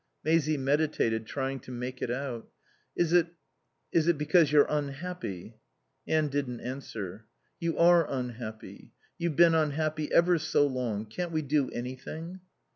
Maisie meditated, trying to make it out. "Is it is it because you're unhappy?" Anne didn't answer. "You are unhappy. You've been unhappy ever so long. Can't we do anything?"